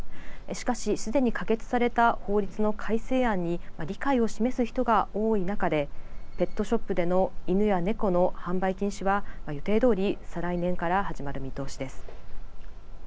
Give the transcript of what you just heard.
しかし、すでに可決された法律の改正案に理解を示す人が多い中で、ペットショップでの犬や猫の販売禁止は予定どおり再来年から始まる見通しです。